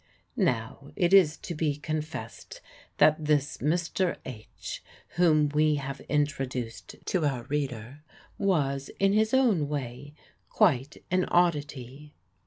Now, it is to be confessed that this Mr. H., whom we have introduced to our reader, was, in his way, quite an oddity.